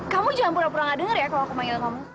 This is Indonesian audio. kamu jangan pura pura gak denger ya kalau aku manggil kamu